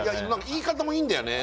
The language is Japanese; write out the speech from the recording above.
言い方もいいんだよね